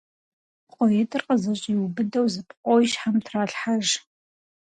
ПкъоитӀыр къызэщӀиубыдэу зы пкъо и щхьэм тралъхьэж.